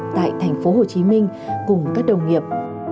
tại thành phố hồ chí minh cùng các đồng nghiệp